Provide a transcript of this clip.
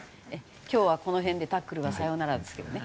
今日はこの辺で『タックル』はさよならですけどね。